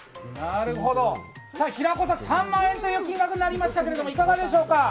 平子さん、３万円という金額になりましたけどいかがでしょうか。